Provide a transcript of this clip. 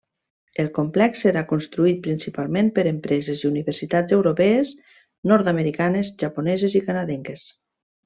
El complex serà construït principalment per empreses i universitats europees, nord-americanes, japoneses i canadenques.